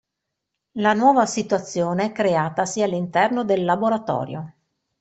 La nuova situazione creatasi all'interno del laboratorio.